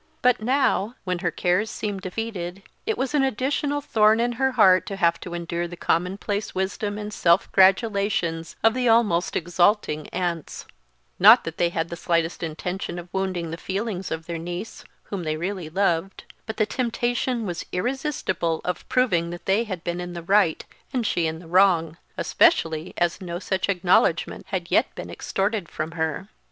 But now, when her cares seemed defeated, it was an additional thorn in her heart to have to endure the commonplace wisdom and self gratulations of the almost exulting aunts; not that they had the slightest intention of wounding the feelings of their niece, whom they really loved, but the temptation was irresistible of proving that they had been in the right and she in the wrong, especially as no such acknowledgment had yet been extorted from her.